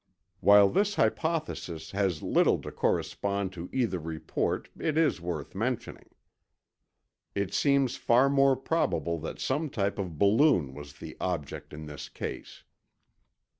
While this hypothesis has little to correspond to either report, it is worth mentioning. "It seems far more probable that some type of balloon was the object in this case."